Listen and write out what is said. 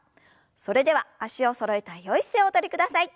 それでは脚をそろえたよい姿勢をおとりください。